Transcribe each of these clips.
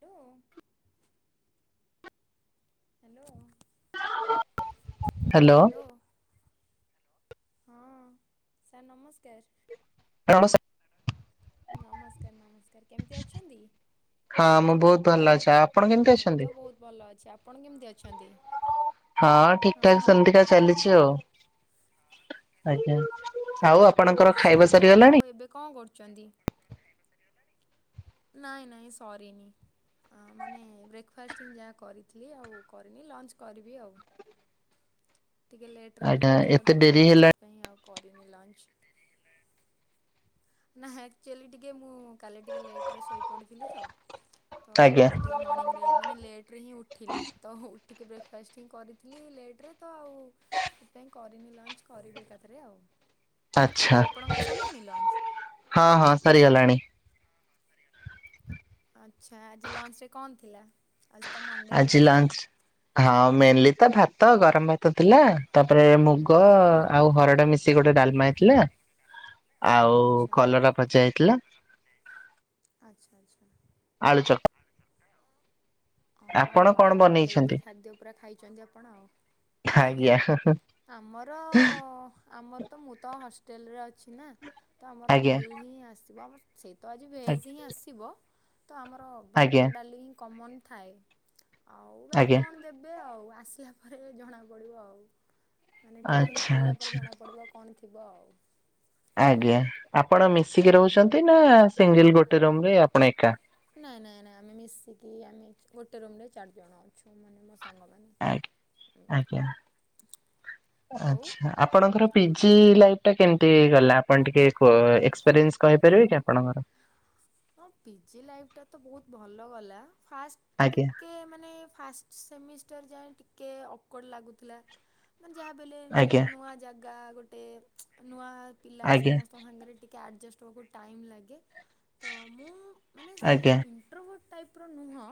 Hello hello hello ହଁ sir ନମସ୍କାର। ରହ ସା ନମସ୍କାର ନମସ୍କାର କେମିତି ଅଛନ୍ତି? ହଁ ମୁଁ ବହୁତ ଭଲ ଅଛି। ଆପଣ ହଁ କେମିତି ମୁଁ ଅଛନ୍ତି? ତ ବହୁତ ଭଲ ଅଛି। ଆପଣ କେମିତି ଅଛନ୍ତି? ହଁ ହଁ ଠିକଠାକ୍ ହଁ ମୁଁ ସେମିତିକା ବି ବହୁତ ଚାଲିଛି ଭଲ। ଆଉ। ଆଜ୍ଞା ଆଉ ଆପଣଙ୍କର ଆଚ୍ଛା ଖାଇବା ସରିଗଲାଣି? ଆଉ ଏବେ କଣ କରୁଛନ୍ତି? [inaudible] ନାଇଁ ନାଇଁ ସରିନି। ଅଁ ମାନେ ବ୍ରେକଫାଷ୍ଟ୍ ହିଁ ଯାହା କରିଥିଲି ଆଉ କରିନି ଲଞ୍ଚ୍ କରିବି ଆଉ। ଟିକେ ଲେଟରେ ଆଜ୍ଞା ବ୍ରେକଫାଷ୍ଟ୍ ଏତେ କରଦେଇଥିଲି ଡେରି ତ ହେଲାଣି ସେଥିପାଇଁ ଆଉ କରିନି ଲଞ୍ଚ୍। ନା ହେ ଆକ୍ଚୁଆଲି ଟିକେ ମୁଁ କାଲି ଟିକେ ଲେଟରେ ଶୋଇପଡ଼ିଥିଲି ତ, ତ ଆଜ୍ଞା ଆଜି ଟି କେ ମଣିଂରେ ମାନେ ଲେଟରେ ହିଁ ଉଠିଲି, ତ ଉଠିକି ବ୍ରେକଫାଷ୍ଟ୍ ହିଁ କରିଥିଲି ଲେଟରେ ତ ଆଉ ସେଥିପାଇଁ କରିନି ଲଞ୍ଚ୍ କରିବି ଏକାଥେରେ ଆଉ। ଆଚ୍ଛା ଆପଣଙ୍କର ସରିଲାଣି ଲଞ୍ଚ? ହଁ ହଁ ସରିଗଲାଣି। [inaudible] ଆଛା! ଆଜି ଲଞ୍ଚ୍ ରେ କଁ ଥିଲା? ଆଜ୍ ତମ ଆ ଆଜି ଲଞ୍ଚ୍ ରେ, ହଁ ମେନଲି ତ ଭାତ, ଗରମ ଭାତ ଥିଲା ତାପରେ ମୁଁ ଗ ହଁ ଆଉ ହରଡ ମିଶିକି ଗୋଟେ ଡାଲମା ହେଇଥିଲା। ଆଉ ଆଚ୍ଛା କଲରା ଭଜା ହେଇଥିଲା। ଆଚ୍ଛା! ଆଚ୍ଛା! ଆଳୁ ଚକ୍ ହଁଅଁ ବଢିଆ ଆଉ ହେଲଦି ଖାଦ୍ୟ ପୁରା ଖାଇଚନ୍ତି ଆପଣ ଆଉ। ହଅ ହଁ ଆଜ୍ଞା ଆମର ଅଁ ଆମର୍ ତ ମୁଁ ତ ହଷ୍ଟେଲରେ ଅଛି ନା ତ ଆମର ଆଜ୍ଞା ମିଲ୍ ହିଁ ଆସିବ ଆମର୍ ସେଇ ତ ଆଜି ଭେଜ୍ ହିଁ ଆସିବ ତ ଆମର ଭାତ, ଆଜ୍ଞା ଡାଲି ହିଁ କମନ୍। ଥାଏ। ଆଉ ବାକି ଆଜ୍ଞା କଣ ଦେବ୍ ଏ ଆଉ ଆସିଲା ପରେ ଜଣା ପଡ଼ିବ ଆଉ ମାନେ ଟିଫନ୍ ଆଚ୍ଛା ଖୋଲିଲା ପରେ ଆଚ୍ଛା ଜଣା ପଡ଼ିବ କଣ ଥିବ ଆଉ? ଆଜ୍ଞା। ଆପଣ ମିଶିକି ରହୁଛନ୍ତି ନା ସିଙ୍ଗିଲ୍ ଗୋଟେ ରୁମ୍ ରେ ଆପଣ ଏକା। ନାଇଁ ନାଇଁ ନାଇଁ ଆମେ ମିଶିକି ଆମେ ଖି ଗୋଟେ ରୁମ୍ ରେ ଚାର୍ ଜଣ ଅଛୁ, ମାନେ ମୋ ସାଙ୍ଗମାନେ। ଆଜ୍ଞା! ଆଜ୍ଞା! ଆଉ ଆଛା। ଆପଣଙ୍କର ପିଜି ଲାଇଫ୍ ଟା କେମ୍ ଟି ଗଲା, ଆପଣ ଟିକେ କୋ ଏକ୍ସପିରିଏନ୍ସ୍ କହିପାରିବେ କି ଆପଣଙ୍କର? ହଁ ପିଜି ଲାଇଫଟା ତ ବୋହୁତ୍ ଭଲ ଗଲା ଫାଷ୍ ଆଜ୍ଞା ଟିକେ ମାନେ ଫାଷ୍ ସେମିଷ୍ଟାର ଯାଏଁ ଟିକେ ଆକୋଡ୍ ଲାଗୁଥିଲା। ମାନେ ଯାହାବି ହେଲେ ନ୍ଉଁ ଆଜ୍ଞା ନୂଆ ଜାଗା ଗୋଟେ ଚୁ ନୂଆ ପିଲା ଆଜ୍ଞା ସମସ୍ତଙ୍କ ସାଙ୍ଗେରେ ଟି କେ ଆଡ଼ଜେଷ୍ଟ୍ ହବାକୁ ଟାଇମ୍ ଲାଗେ। ତ ମୁଁ ମାନେ ସେମତି ଆଜ୍ଞା ଇଣ୍ଟ୍ରୋଭଟ୍ ଟାଇପର ନୁହଁ।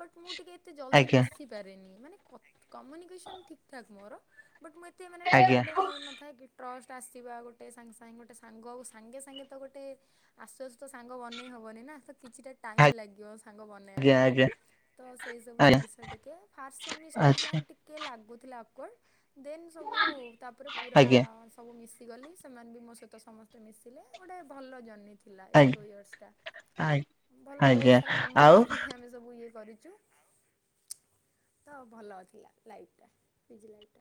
ବଟ୍ ମୁଁ ଟିକେ ଏତେ ଜଲଦି ଆଜ୍ଞା ମିଶି ପାରେନି ମାନେ କ କମ୍ୟୁନିକେସନ୍ ଠିକ୍ ଠାକ୍ ମୋର। ବଟ୍ ମୁଁ ଏତେ ମାନେ ଆଜ୍ଞା ଗୋଟେ ହେଇନଥାଏ ଗିଟ୍ ଟ୍ରଷ୍ଟ ଆସିବା ଗୋଟେ ସାଙ୍ଗେ ସାଙ୍ଗେ ଗୋଟେ ସାଙ୍ଗ ଆଉ ସାଙ୍ଗେ ସାଙ୍ଗେ ତ ଗୋଟେ ଆସୁଆସୁ ତ ସାଙ୍ଗ ବନେଇ ହବନି ନା ତ କିଛିଟା ଟାଇମ୍ ଲାଗିବ ସାଙ୍ଗ ବନେଇଆ ଆଜ୍ଞା ଆଜ୍ଞା ପାଇଁ। ତ ସେଇ ସବୁ ଆଜ୍ଞା ଜିନଷ ଟିକେ ଫାର୍ଷ ସେମିଷ୍ଟାର ଆଚ୍ଛା ଆଜ୍ଞା ଯାଏଁ ଟି କେ ଲାଗୁଥିଲା ଆକ୍ୱଡ୍ ଦେନ୍ ସବୁ ତାପରେ ପୁରା ଆଜ୍ଞା ହଁ ମୁଁ ମିଶିଗଲି ସେମାନେ ବି ମୋ ସହିତ ସମସ୍ତେ ମିଶିଲେ, ଗୋଟେ ଭଲ ଜର୍ନି ଥିଲା ଏଇ ଆଜ୍ଞା ଟୁ ଇୟର୍ସ ଟା। ଭଲ ବୋହୁତ୍ ଆଜ୍ଞା। ସାରା ଆଉ ମେମରିଜ୍ ବି ଆମେ ସବୁ ଇଏ କରିଚୁ। ତ ଭଲ ଥିଲା ଲାଇଫ୍ ଟା ପିଜି ଲାଇଫ୍ ଟା।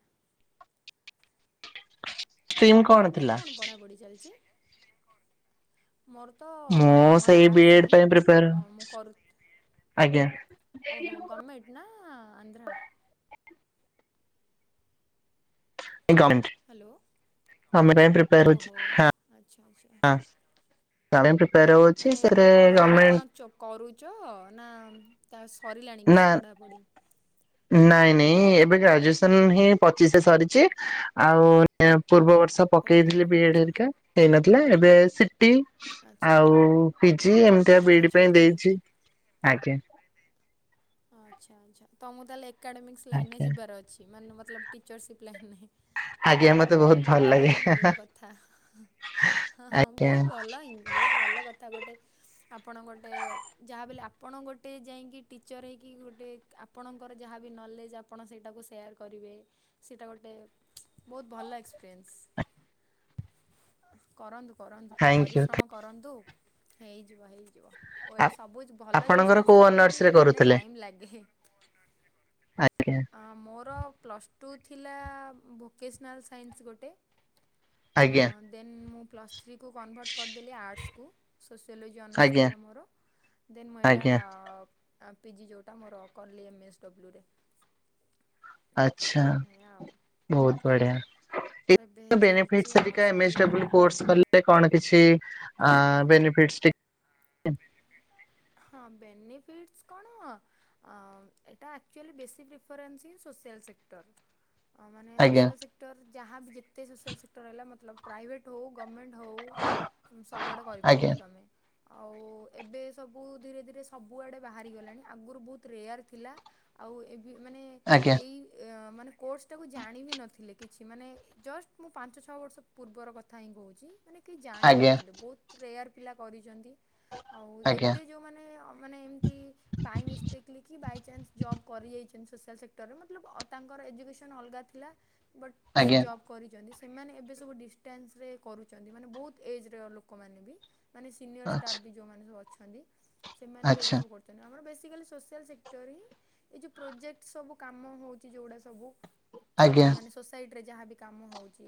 ଆଉ ଷ୍ଟ୍ରିମ୍ ତମର ଏବେ ଥିଲା? କଣ ପଢାପଢି ଚାଲଚି? ମୋର ତ ମୁଁ ମୋର ସେଇ ବି ଆର୍ଟସ୍ ଏଡ ହିଁ ପାଇଁ ପ୍ରିପେୟାର ଅଁ ମୁଁ କରୁ ଆଜ୍ଞା। ଓହୋ। ଗମେଟ୍ ନା ଆନ୍ଧ୍ରା। ନାଇଁ ଗମେଣ୍ଟ, ହ୍ୟାଲୋ ଗମେଣ୍ଟ ପାଇଁ ପ୍ରିପେଆର୍ ହୋଉଚି। ଓହୋ ହଁ ଆଚ୍ଛା ଆଚ୍ଛା। ହଁ [unintelligible] ପ୍ରିପେୟାର ହଉଛି ମାନେ ଏବେ ସେଥେରେ କଣ ମାନେ କଣ ଗମେଣ୍ଟ ଚ କରୁଛ ନା ତା ସରିଲାଣି ନା କିଛି ପଢାପଢି? ନାଇଁ ନାଇଁ ଏବେ ଗ୍ରାଜୁଏସନ୍ ହିଁ ପଚିଶରେ ସରିଛି ଆଉ ପୂର୍ବବର୍ଷ। ଓହୋ ପକେଇଥିଲେ ବିଏଡ ଆଚ୍ଛା ହେରିକା ହେଇନଥିଲା ଏବେ ସିଟି ଆଚ୍ଛା ଆଉ ପିଜି ଏମ। ତିଆ ବିଡି ଆଚ୍ଛା ପାଇଁ ଆଚ୍ଛା ଆଚ୍ଛା। ଦେଇଛି ଆଜ୍ଞା। ଆଚ୍ଛା ଆଚ୍ଛା ତମକୁ ତାହେଲେ ଏକାଡେମିକ୍ସ ଲାଇନ୍ ରେ ଆଜ୍ଞା ଯିବାର ଅଛି ମାନେ ମତଲବ ଟିଚରସିପ୍ ଲାଇନ୍ ରେ। ଆଜ୍ଞା ମତେ ବହୁତ। ଭଲ ଲାଗେ ବହୁତ ଭଲ କଥା ହ ହଁ ଆଜ୍ଞା। ବହୁତ ଭଲ ବହୁତ। ଭଲ କଥା ଗୋଟେ। ଆପଣ ଗୋଟେ ଯାହାବି ହେଲେ ଆପଣ ଗୋଟେ ଯାଇକି ଟିଚର୍ ହେଇକି ଗୋଟେ। ଆପଣଙ୍କର ଯାହାବି ନଲେଜ୍ ଆପଣ ସେଇଟାକୁ ସେୟାର୍ କରିବେ। ସେଇଟା ଗୋଟେ ବହୁତ ଭଲ ଏକ୍ସ। ପ୍ରେନ୍ସ କରନ୍ତୁ କରନ୍ତୁ ଟିକେ ଥ୍ୟାଙ୍କୟୁ ପରିଶ୍ରମ। କରନ୍ତୁ ହେଇଯିବ ହେଇଯିବ। ଓ ଏଟ୍ ସବୁ ଭଲ ଜିନିଷ ଆପଣଙ୍କର କୋଉ ଆସିବା ଅନର୍ସ ରେ ପାଇଁ ମାନେ କରୁଥିଲେ ଟାଇମ ଲାଗେ। ଆଜ୍ଞା। ଅଁ ମୋର ପ୍ଲସ୍। ଟୁ ଥିଲା ଭୋକେସନାଲ୍ ସାଇନ୍ସ ଗୋଟେ। ଆଜ୍ଞା ଦେନ୍ ମୁଁ ପ୍ଲସ୍ ଥ୍ରୀକୁ କନଭର୍ଟ କରିଦେଲି ଆର୍ଟସ୍ କୁ। ସୋସିଓଲୋଜି ଅନର୍ସ ଆଜ୍ଞା ଥିଲା ମୋର ଦେନ୍ ମୁଁ ଏଇଟା। ଆଜ୍ଞା ଆ ପିଜିି ଯୋଉଁଟା ମୋର କଲି ଏମ୍ଏସ୍ ଡବ୍ଲୁ ରେ। ଆଚ୍ଛା ଏୟା ଆଉ ତ ବହୁତ ବଢିଆ। ଏବେ ଏ ବେନିଫିଟ୍ ଚାଲିଛି ଆଉ ଏବିକା ଏମ ଏସ୍ ଡବ୍ଲୁ ସରିଲାଣି କୋର୍ସ କଲେ। ଏବେ କଣ କିଛି ବେନିଫିଟ। ହଁ ବେନିଫିଟସ୍ କଣ। ଏଟା actually basic preference in social sector. ଅ, ମାନେ ଆଜ୍ଞା ସୋସିଆଲ୍ ସେକ୍ଟର ଯାହା ବି ଯେତେ ସୋସିଆଲ୍ ସେକ୍ଟର ରହିଲା ମତଲବ ପ୍ରାଇଭେଟ୍। ହଉ ଗଭର୍ଣ୍ଣମେଣ୍ଟ ହଉ ସବୁଆଡ଼େ ଆଜ୍ଞା କରିପାରିବ ତୁମେ। ଆଉ ଏବେ ସବୁ ଧୀରେ ଧୀରେ ସବୁଆଡ଼େ ବାହାରିଗଲାଣି ଆଗରୁ ବହୁତ ରେୟାର୍ ଥିଲା। ଆଉ ଏ ମାନେ ଆଜ୍ଞା ଏଇ ମାନେ କୋର୍ସ ଟାକୁ ଜାଣିବି ନଥିଲେ କିଛି ମାନେ। ଜଷ୍ଟ ମୁଁ ପାଞ୍ଚ ଛଅ ବର୍ଷ ପୂର୍ବର କଥା ହିଁ କହୁଛି ମାନେ। କେହି ଆଜ୍ଞା ଜାଣିନଥିଲେ ବହୁତ ରେୟାର୍ ପିଲା କରିଛନ୍ତି। ଆଉ ଆଜ୍ଞା। ଏବେ ଯେଉଁମାନେ ମାନେ ଏମିତି। ବାଇ ମିଷ୍ଟେକ୍ଲି କି ବାଇ ଚାନ୍ସ ଜବ୍ କରି ଯାଇଛନ୍ତି ସୋସିଆଲ୍ ସେକ୍ଟରରେ ମତଲବ ତାଙ୍କର ଏଜୁକେସନ୍ ଅଲଗା। ବଟ୍ ସେ ଆଜ୍ଞା ଜବ୍। କରିଛନ୍ତି ସେମାନେ ଏବେ ସବୁ ଡିଷ୍ଟାନ୍ସରେ କରୁଛନ୍ତି ମାନେ ବହୁତ ଏଜ୍ ରେ ଲୋକମାନେ ବି। ମାନେ ସିନିୟର ଷ୍ଟାଫ୍ ବି ଯୋଉମାନେ ସବୁ ଅଛନ୍ତି ସେମାନେ ବି ଏବେ ଆଚ୍ଛା ସବୁ କର। ଆମର ବେସିକାଲି ସୋସିଆଲ୍ ସେକ୍ଟର ହିଁ। ଏଇ ଯୋଉ ପ୍ରୋଜେକ୍ଟ ସବୁ କାମ ହଉଛି ଯୋଉଗୁଡା ସବୁ। ଆଚ୍ଛା ମାନେ ସୋସାଇଟି ରେ ଯାହାବି କାମ ହଉଛି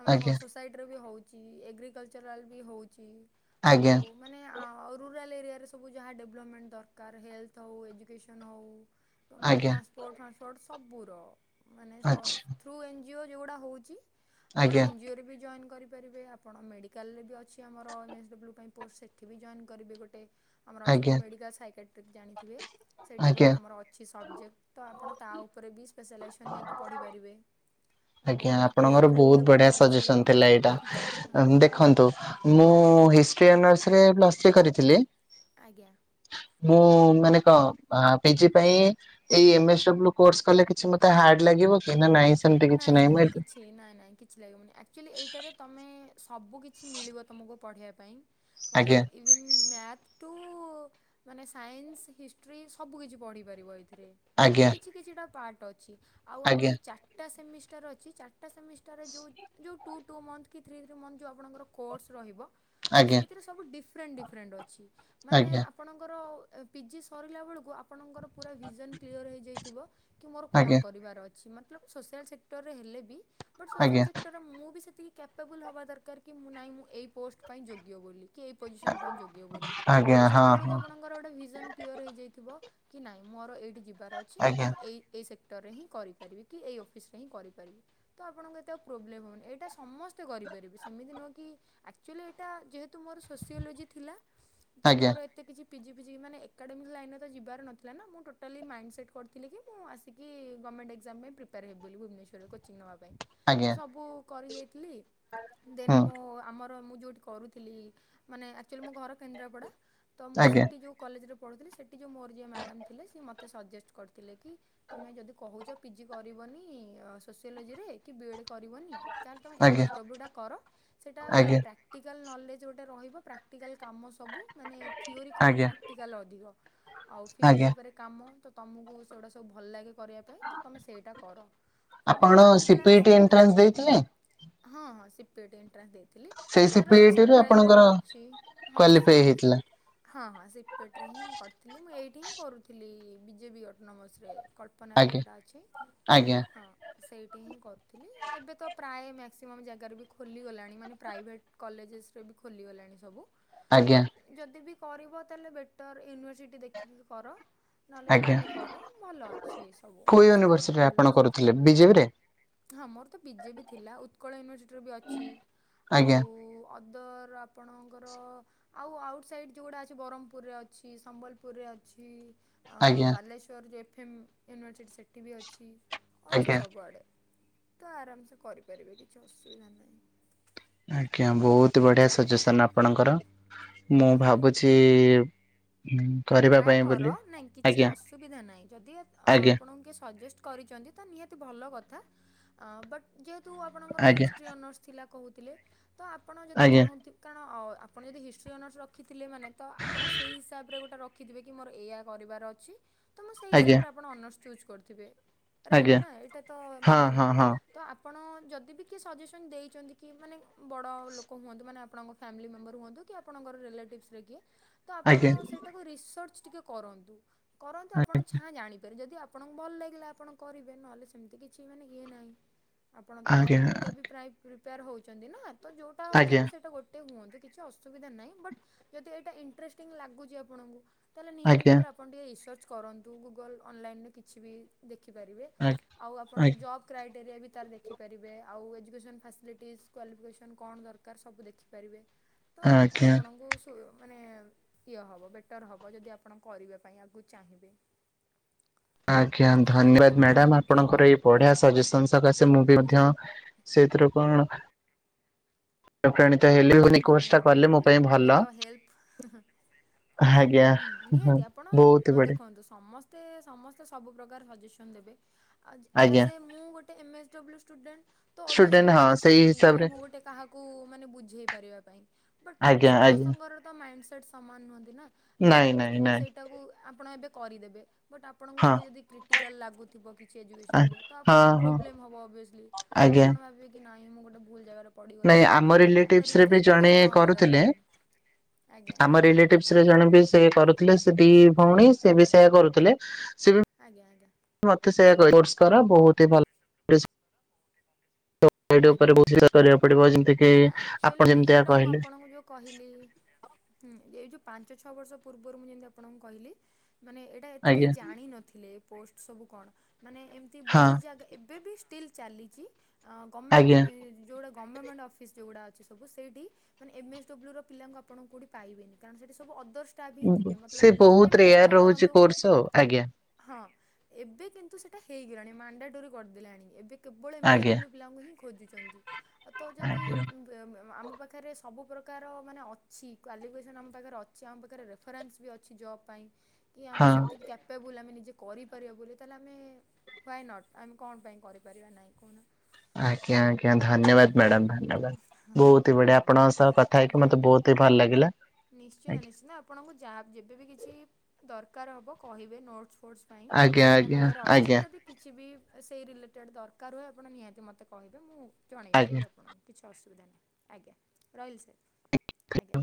ଆମର ଆଜ୍ଞା କଣ ସୋସା। ସାଇଟ୍ ରେ ବି ହେଉଛି ଏଗ୍ରିକଲଚରାଲ୍ ବି ହେଉଛି ଆଜ୍ଞା ଆଉ। ମାନେ ରୁରାଲ୍ ଏରିଆରେ ସବୁ ଯାହା ଡେଭଲପମେଣ୍ଟ ଦରକାର ହେଲଥ୍ ହୋଉ ଏଜୁକେସନ୍ ହୋଉ। ତ ଆଜ୍ଞା ମାନେ ଆଜ୍ଞା ଟ୍ରାନ୍ସପୋର୍ଟ ଫ୍ରାନ୍ସପୋର୍ଟ ସବୁର ମାନେ ଆଚ୍ଛା ଥ୍ରୁ ଏନ୍ଜିଓ ଯେଉଁଗୁଡ଼ା ହେଉଛି। ଆପଣ ଆଜ୍ଞା ଏନ୍ଜିଓରେ ବି ଜଏନ୍ କରିପାରିବେ ଆପଣ ମେଡ଼ିକାଲରେ ବି ଅଛି ଆମର ଏମ୍ଏସଡବ୍ଲ୍ୟୁ ପାଇଁ। ପୋଷ୍ଟ ସେଠି ବି ଜଏନ୍ କରିବି ଗୋଟେ। ଆମର ଅଛି ଯେଉଁ ଆଜ୍ଞା ମେଡ଼ିକାଲ୍ ସାଇକେଟ୍ରିକ୍ ଜାଣିଥିବେ ସେଇଟା ଆଜ୍ଞା ଗୋଟେ ଆମର ଅଛି ସବଜେକ୍ଟ୍। ତ ଆପଣ ତା ଉପରେ ବି ସ୍ପେଶାଲାଇଜେସନ୍ ନେଇକି ପଢ଼ିପାରିବେ। ଆଜ୍ଞା ଦେନ୍ ଆପଣଙ୍କର କୋର୍ଟରେ ବି ବହୁତ ଆପଣ ବଢ଼ିଆ ଅଛି ସଜେସନ୍ ଥିଲା ଏଇଟା ଦେଖନ୍ତୁ ମୁଁ ହିଷ୍ଟ୍ରି ଅନର୍ସରେ ପ୍ଲସ ଥ୍ରୀ କରିଥିଲି। ଆଜ୍ଞା। ମୁଁ ମାନେ କଣ ଆ ପିଜି ପାଇଁ ଏଇ ଏମେସଡବ୍ଲୁ କୋର୍ସ କଲେ କିଛି ମତେ ହାର୍ଡ ଲାଗିବ କି ନା ନାଇଁ ସେମିତି କି ଛି ନାଇଁ ନାଇଁ କିଛି ଲାଗିବନି ଆକ୍ଚୁଆଲି ଏଇଟାରେ ତମେ ସବୁ କିଛି ମିଳିବ ତମକୁ ପଢ଼େଇବା ପାଇଁ। ଆଜ୍ଞା ମତଲଵ୍ ଇଭେନ୍ ମ୍ୟାଥ୍ ଟୁ ମାନେ ସାଇନ୍ସ ହିଷ୍ଟ୍ରି ସବୁ କିିଛି ପଢ଼ିପାରିବ ଏଇଥିରେ। ମାନେ ଆଜ୍ଞା କିଛି କିଛିଟା ପାର୍ଟ ଅଛି ଆଉ ଆମର ଯୋଉ ଚା ଚାରିଟା ସେମିଷ୍ଟାର ଅଛି ଚାରିଟା ସେମିଷ୍ଟାର ରେ ଯଉ ଯଉ ଟୁ ଟୁ ମନ୍ଥ କି ଥ୍ରୀ ଥ୍ରୀ ମନ୍ଥ ଯଉ ଆପଣଙ୍କର କୋର୍ସ ରହିବ। ତ ଆଜ୍ଞା ସେଇଥିରେ ସବୁ ଡିଫରେଣ୍ଟ ଡିଫରେଣ୍ଟ ଅଛି ମାନେ ଆଜ୍ଞା ଆ ପଣଙ୍କର ପିଜି ସରିଲା ବେଳକୁ ଆପଣଙ୍କର ପୁରା ଭିଜନ କ୍ଲିଅର ହଇଯାଇଥିବ। କି ମୋର କଣ ଆଜ୍ଞା କଣିବାର ଅଛି ମତଲଵ୍ ସୋସିଆଲ୍ ସେକ୍ଟରରେ ହେଲେ ବି ବଟ୍ ସୋସିଆଲ୍ ଆଜ୍ଞା ସେ କାରଣ ମୁଁ ବି ସେତିକି କ୍ୟାପେବୁଲ୍ ହବା ଦରକାର କି ମୁଁ ନାହିଁ ମୁଁ ଏହି ପୋଷ୍ଟ ପାଇଁ ଯୋଗ୍ୟ ବୋଲି। କି ଏଇ ପୋଜିସନ ପାଇଁ ଯୋଗ୍ୟ ବୋଲି ଆଜ୍ଞା ଆଜ୍ଞା ହଁ ସେତେବେଳକୁ ହଁ ଆପଣ ଙ୍କର ଗୋଟେ ଭିଜନ୍ କ୍ଲିଅର ହେଇଯାଇଥିବ କି ନାଇଁ ମୋର ଏଇଠି ଯିବାର ଅଛି। ଆଜ୍ଞା। ମୁଁ ଏଇ ଏଇ ସେକ୍ଟରରେ ହିଁ କରିପାରିବି କି ଏଇ ଅଫିସ୍ ରେ ହିଁ କରିପାରିବି। ତ ଆପଣଙ୍କୁ ଏତେ ଆଉ ପ୍ରୋବ୍ଲେମ୍ ହବନି ଏଇଟା ସମସ୍ତେ କରିପାରିବେ ସେମିତି ନୁହଁ କି? ଆକ୍ଚୁଆଲି ଏଇଟା ଯେହେତୁ ମୋର ସୋସିଓଲୋଜି ଥିଲା ତ ଆଜ୍ଞା ମୋର ଏତେ କିଛି ପିଜି ଫିଜିି ମାନେ ଏକାଡେମିକ୍ ଲାଇନ୍ରେ ତ ଯିବାର ନଥିଲା ନା ମୁଁ ଟୋଟାଲି ମାଇଣ୍ଡ ସେଟ୍ କରିଥିଲି କି ମୁଁ ଆସ ସିକି ଗଭର୍ଣ୍ଣମେଣ୍ଟ ଏକ୍ଜାମ ପାଇଁ ପ୍ରିପେୟାର ହେବି ବୋଲି ଭୁବନେଶ୍ୱରରେ କୋଚିଂ ନବା ପାଇଁ ତ ଆଜ୍ଞା ସବୁ କରିଯାଇଥିଲି ଦେନ୍ ହୁଁ ମୁଁ ଆମ ମୁଁ ଯୋଉଠି କରୁଥିଲି ମାନେ ଏକ୍ଟୁଆଲୀ ମୋ ଘର କେନ୍ଦ୍ରାପଡ଼ା ତ ମୁଁ ଆଜ୍ଞା ସେଠୀ ଜଉ କଲେଜ ରେ ପଢ଼ୁଥୁଲୁ ସେଟି ଯଉ ମୋର ଯିଏ ମ୍ୟାଡାମ୍ ଥିଲେ ସିଏ ମତେ ସଜେଷ୍ଟ କରିଥିଲେ କି ତମେ ଯଦି କହୁଛ ପିଜି କରିବନି ସୋସିଓଲୋଜିରେ କି ବି ଏଡ଼୍ କରିବନି। ତାହେଲେ ତୁମେ ଏମ୍ ଆଜ୍ଞା ଏଚ୍ ଡବ୍ଲୁ ଟା କର ସେଇଟା ଆଜ୍ଞା ପ୍ରାକ୍ କ୍ଟିକାଲ୍ ନଲେଜ୍ ଗୋଟେ ରହିବ ପ୍ରାକ୍ଟିକାଲ୍ କାମ ସବୁ ମାନେ ଥିଓରି କମ୍ ଆଜ୍ଞା। ପ୍ରା କ୍ଟିକାଲ୍ ଅଧିକ ଆଉ ଫିଲ୍ଡ ଆଜ୍ଞା ଉପରେ କାମ ତ ତମକୁ ସେଗୁଡ଼ା ସବୁ ଭଲ ଲାଗେ କରିବାପାଇଁ ତ ତମେ ସେଇଟା କର ତ ମୁଁ ଆପଣ ଫାଷ୍ଟ ଯେତେବେଳେ ସିପିଇଟି ଆସିଥିଲି ଏଣ୍ଟ୍ରାନ୍ସ ଦେଇଥିଲେ ହଁ ହଁ ସିପିଣ୍ଟ୍ରାନ୍ସ ଦେଇଥିଲି। ସେଇ ଆର ସିପିଇଟି ରୁ ସେଣ୍ଟ୍ରାଲ୍ ରେ ଆପଣଙ୍କର ବି ଅଛି ହଁ କ୍ୱାଲିଫାଇ ସିଏ ହେଇଥିଲା ହଁ ହଁ ସିପେଟ୍ ରେ ହିଁ ମୁଁ କରିଥିଲି ମୁଁ ଏଇଠି ହିଁ କରୁଥିଲି ବିଜେ ବି ଅଟୋନୋମସ୍ ରେ କଳ ପନାରେ ଆଜ୍ଞା ଜୋଉଟା ଅଛି ଆଜ୍ଞା ହଁ। ସେଇଠି ହିଁ କରିଥିଲି ଏବେ ତ ପ୍ରାୟ ମ୍ୟାକ୍ସିମମ୍ ଜାଗାରୁ ବି ଖୋଲିଗଲାଣି ମାନେ ପ୍ରାଇଭେଟ୍ କଲେଜେସ୍ରେ ବି ଖୋଲିଗଲାଣି ସବୁ। ଆଜ୍ଞା ବଟ୍ ଯଦି ବି କରିବ ତାହେଲେ ବେଟର୍ ୟୁନିଭର୍ସିଟି ଦେଖିକି କର। ନହେଲେ ଆଜ୍ଞା। ଏଇଠି ବି କର ଭଲ ଅଛି ସବୁ କୋଉ ସ୍କୋପ୍ ୟୁନିଭର୍ସିଟିରେ ଆପଣ ଭଲ ଅଛି। କରୁଥିଲେ ବିଜେପିରେ ହଁ ମୋର ତ ବିଜେ ବି ଥିଲା ଉତ୍କଳ ୟୁନିଭର୍ସିଟିର ବି ଅଛି ଆଜ୍ଞା ଆଉ ଅଦର ଆପଣଙ୍କର ଆଉ ଆଉଟ୍ସାଇଡ଼୍ ଜୋଉଡ଼ା ଅଛି ବ୍ରହ୍ମପୁରରେ ଅଛି ସମ୍ବଲପୁରରେ ଅଛି। ଆଜ୍ଞା ବାଲେଶ୍ଵରରେ ଏଫ୍ ଏମ୍ ୟୁନିଭର୍ସିଟି ସେଠି ବି ଅଛି। ଅଛି ଆଜ୍ଞା। ସବୁଆଡ଼େ ତ ଆରାମ୍ ସେ କରିପାରିବେ କିଛି ଅସୁବିଧା ନାହିଁ। ଆଜ୍ଞା ବହୁତ ବଢିଆ ସଜେସନ ଆପଣଙ୍କର। ମୁଁ ଭାବୁଛି ହୁଁ ଟ୍ରାଏ କର ନାଇଁ କିଛି ଅସୁବିଧା ନାହିଁ ଯଦି ଅ ଆଜ୍ଞା ଆପଣଙ୍କୁ କିଏ ସଜେଷ୍ଟ୍ କରିଚନ୍ତି ତ ନିହାତି ଭଲ କଥା ଅଁ ବଟ୍ ଯେହେତୁ ଆପଣଙ୍କ ର ଆଜ୍ଞା ହିଷ୍ଟ୍ରି ଅନର୍ସ ଥିଲା କହୁଥିଲେ ତ ଆପଣ ଯଦି ଆଜ୍ଞା ଚାହୁଁଥିବ୍ କାରଣ ଆପଣ ଯଦି ହିଷ୍ଟ୍ରି ଅନର୍ସ ରଖିଥିଲେ ମାନେ ତ ଆପଣ ସେଇ ହିସାବରେ ଗୋଟେ ରକ୍ ଖିଥିବେ କି ମୋର ଏଇଆ କରିବାର ଅଛି ତ ମୁଁ ସେଇ ଆଜ୍ଞା ହିସାବରେ ଆପଣ ଅନର୍ସ ଚୁଜ୍ କରିଥିବେ। ରାଇଟ୍ ଆଜ୍ଞା ନା ଏଇଟାତ ହଁ ମାନେ ଇଏ। ହଁ ହଁ ତ ଆପଣ ଯଦିବି କିଏ ସଜେସନ୍ ଦେଇଚନ୍ତି କି ମାନେ ବଡ ଲୋକ ହୁଅନ୍ତୁ ମାନେ ଆପଣଙ୍କ ଫ୍ୟାମିଲି ମେମ୍ବର ହୁଅନ୍ତୁ କି ଆପଣଙ୍କର ରିଲେଟିଭ୍ସରେ କିଏ ତ ଆପଣ ଆଜ୍ଞା ସେଇଟାକୁ ରିସର୍ଚ୍ଚ ଟିକେ କରନ୍ତୁ, କରନ୍ତୁ ଆପଣ ଛାଁ ଜାଣିପାରିବେ ଯଦି ଆ ଆପଣଙ୍କୁ ଭଲ ଲାଗିଲା ଆପଣ କରିବେ ନହେଲେ ସେମିତି କିଛି ମାନେ ଇଏ ନାଇଁ। ଆପଣ ତ ଆଜ୍ଞା ଅଲଗା ବି ପ୍ରାୟ ପ୍ରିପେୟାର ହଉଚନ୍ତି ନା ତ ଯୋଉଟା ହଉଚନ୍ତି ଆଜ୍ଞା ସେଇଟା ଗୋଟେ ଟେ ହୁଅନ୍ତୁ କିଛି ଅସୁବିଧା ନାଇଁ ବଟ୍ ଯଦି ଏଇଟା ଇଣ୍ଟ୍ରେଷ୍ଟିଂ ଲାଗୁଚି ଆପଣଙ୍କୁ ତାହେଲେ ନିହାତି ଆଜ୍ଞା ଭାବରେ ଆପଣ ଟିକିେ ରିସର୍ଚ୍ଚ କରନ୍ତୁ। ଗୁଗଲ୍ ଅନଲାଇନ୍ ରେ କିଛି ବି ଦେଖିପାରିବେ। ଆଉ ଆପଣ ଆଜ୍ଞା ଜବ୍ କ୍ରାଇଟେରିଆ ବି ତାର ଦେଖିପାରିବେ ଆଉ ଏଜୁକେସନ୍ ଫାସିଲିଟିଜ କ୍ୱାଲିଫିକେସନ୍ କଣ ଦରକାର ସବୁ ଦେଖି ପାରିବେ ତ ଆଜ୍ଞା ଆପଣଙ୍କୁ ସୁ-ମାନେ ଇଏ ହବ ବେ ବେଟର୍ ହବ ଯଦି ଆପଣ କରିବା ପାଇଁ ଆଗୁକୁ ଚାହିଁବେ। ଆଜ୍ଞା ଧନ୍ୟବାଦ୍ ବୁଝିପାରୁଛନ୍ତି। ମ୍ୟାଡାମ୍ ଆ ଆପଣଙ୍କର ଏଇ ବଢିଆ ସଜେସନ ସକାଶେ ମୁଁ ବି ମଧ୍ୟ ସେଇଥିରୁ କଣ୍ ବୋଲି ନିହାତି କୋର୍ସ ଟା ନିହାତି କଲେ ମୋ ପାଇଁ ନିହାତି ଆମେ ଭଲ ତ ହେଲ୍ପ୍ ହଁ ହଁ ଆଜ୍ଞା। ହୁଁ ହଁ ନିହାତି ଆପଣ ବହୁତ ବଢିଆ ଦେଖନ୍ତୁ ସମସ୍ତ ତେ ସମସ୍ତେ ସବୁପ୍ରକାର ସଜେସନ୍ ଦେବେ ଆଜ୍ଞା ଆଜ୍-ଆଜ୍ ଏ ମୁଁ ଗୋ ଟେ ଏମ ଏସ୍ ଡବ୍ଲ୍ୟୁ ଷ୍ଟୁଡେଣ୍ଟ ତ ଓଭିୟସଲି ଷ୍ଟୁଡେଣ୍ଟ ମୁଁ ହଁ ବି ସେଇ ଚାହିଁବି କି ହିସାବରେ ମୁଁ ଗୋଟେ କାହାକୁ ମାନେ ବୁଝେଇ ପାରିବା ପାଇଁ। ବଟ୍ ଆଜ୍ଞା ଆଜ୍ଞା ସମସ୍ତଙ୍କର ତ ମାଇଣ୍ଡ ସେଟ୍ ସମାନ ନୁହନ୍ତି ନା। ତ ନାଇଁ ସମସ୍ତେ ନାଇଁ ବି ନାଇଁ ସେଇଟାକୁ ଆପଣ ଏବେ କରିଦେବେ ବଟ୍ ଆପଣଙ୍କୁ ହଁ ଟିକେ ଯଦି କିଟିକାଲ୍ ଲାଗୁଥିବ କିଛି ଏଜୁକେସନରେ ତ ହଁ ଆପଣଙ୍କୁ ହଁ ପ୍ରୋବ୍ଲେମ୍ ହେବ ଅଭିଅସ୍ଲି। ତ ଆଜ୍ଞା। ଆପଣ ଭାବିବେ କି ନାଇଁ ମୁଁ ଗୋଟେ ଭୁଲ୍ ଜାଗାରେ ପଡିଗଲି ନାଇଁ କି ଆମ କଣ ହେଲା। ରିଲେଟିଭସ ରେ ବି ରଗ୍ରେଟ ଜଣେ ଫିଲ୍ ନହବା ଦରକାର୍ ଆଜ୍ଞା ଆଜ୍ଞା। ରିଲେଟିଭ୍ସରେ ଜଣେ ବି ସେ କରୁ ଥିଲେ ସେ ଦି ଭଉଣୀ ସେ ବି ଆଜ୍ଞା ସେୟା କରୁଥିଲେ, ସେ ବି ଆଜ୍ଞା ଆଜ୍ଞା ମତେ ସେୟା ବହୁତ ହି ଭଲ [inaudible] ଆଜ୍ଞା ଆଜ୍ଞା ପଡିବ ଯେମିତି। କି ନା ନା ଆକ୍ଚୁଆଲି ଆପଣ ଏଇଠି ଯେମିତିଆ ଯୋଉଟା ମୁଁ କହିଲେ ଆପଣଙ୍କୁ ଯୋଉ କହିଲି ହୁଁ ଏଇ ଯୋଉ ପାଞ୍ଚ ଛଅ ବର୍ଷ ପୂର୍ବରୁ ମୁଁ ଯେମିତି ଆପଣଙ୍କୁ କହିଲି ମାନେ ଏ ଟା ଏତେ କେହି ଆଜ୍ଞା ଜାଣିନଥିଲେ ଏ ପୋଷ୍ଟ୍ ସବୁ କଣ ମାନେ ଏମିତି ହଁ ବହୁତ ଜାଗା ଏବେ ବି ଷ୍ଟିଲ୍ ଚାଲିଚି ଆଁ ଆଜ୍ଞା ଗମେଣ୍ଟ୍ ଯୋଉଗୁଡା ଗମମେଣ୍ଟ ଅଫ୍ ଅଫିସ୍ ଯୋଉଗୁଡା ଅଛି ସବୁ ସେଇଠି ମାନେ ଏମ ଏସ୍ ଡବ୍ଲ୍ୟୁର ପିଲାଙ୍କୁ ଆପଣ କୋଉଠି ପାଇବେନି କାରଣ ସେଠି ସବୁ ଅଦର୍ସ ଷ୍ଟାପ୍ ହିଁ ଥିବେ, ମତଲବ ସେ ବହୁତ ଯେମିତି ରେୟାର ସପୋଜ ରହୁଛି ଧରନ୍ତୁ କୋର୍ସ ଆଉ ଆଜ୍ଞା ହଁ ଏବେ କିନ୍ତୁ ସେଟା ହେଇଗଲାଣି ମାଣ୍ଡାଟୋରି କରିଦେଲାଣି ଏବେ କେବଳ ଏମ୍ ଏସ୍ ଆଜ୍ଞା ଡବ୍ଲ୍ୟୁ ପିଲାଙ୍କୁ ହିଁ ଖୋଜୁଚନ୍ତି। ଆଉ ତ ଯଦି ଆଜ୍ଞା ଏ-ମ୍-ମ୍ ଆମ ପାଖରେ ସବୁ ପ୍ରକାର ମାନେ ଅଛି କ୍ୱାଲିଫିକେସନ୍ ଆମ ପାଖରେ ଅଛି ଆମ ପାଖରେ ରେ ଫରାନ୍ସ୍ ବି ଅଛି ଜବ୍ ପାଇଁ କି ଆମକୁ ହଁ ସେତିକି କ୍ୟାପାବୁଲ ଆମେ ନିଜେ କରିପାରିବା ବୋଲି ତାହେଲେ ଆମେ ହ୍ୱାଏ ନଟ୍ ଆମେ କଣ ପାଇଁ କରିପାରିବା ନାହିଁ କହୁନା। ଆଜ୍ଞା ଆଜ୍ଞା ଧନ୍ୟବାଦ। ମ୍ୟାଡାମ୍ [unintelligible] ବହୁତ ହି ବଢିଆ ଧନ୍ୟବାଦ ଆପଣଙ୍କ ସହ କଥା ହେଇକି ଆଜ୍ଞା ମତେ ଆଜ୍ଞା। ବହୁତ ହି ଭଲ ଲାଗିଲା। ନିଶ୍ଚିନ୍ତ ନିଶ୍ଚିନ୍ତ ଆପଣଙ୍କୁ ଯାହା ଯେବେବି କିଛି ଦରକାର ହେବ କହିବେ ନୋଟସ ଫୋଟସ୍ ପାଇଁ ଆଜ୍ଞା ମୋ ଆଜ୍ଞା ପାଖରେ ଆଜ୍ଞା ଅଛି ଆଜ୍ଞା ଯଦି କିଛି ବି ସେଇ ରିଲେଟେଡ଼୍ ଦରକାର ହୁଏ ଆପଣ ନିହାତି ମୋତେ କହିବେ ମୁଁ ଜଣେଇ ଆଜ୍ଞା ପାରିବି ଆପ ଆପଣଙ୍କୁ କିଛି ଅସୁବିଧା ନାହିଁ ଆଜ୍ଞା ରହିଲି ସାର୍ ଆଜ୍ଞା।